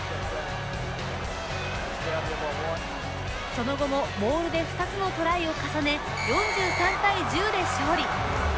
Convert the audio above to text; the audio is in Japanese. その後も、モールで２つのトライを重ね４３対１０で勝利。